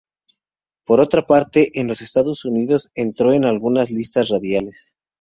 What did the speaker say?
Por otra parte, en los Estados Unidos entró en algunas listas radiales.